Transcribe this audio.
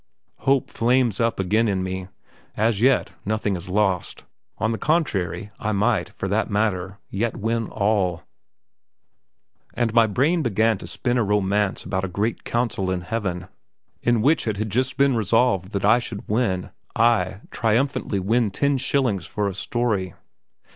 Hope flames up again in me; as yet, nothing is lost on the contrary, I might, for that matter, yet win all. And my brain began to spin a romance about a great council in Heaven, in which it had just been resolved that I should win ay, triumphantly win ten shillings for a story.